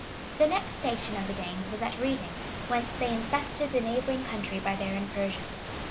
The next station of the Danes was at Reading; whence they infested the neighboring country by their incursions.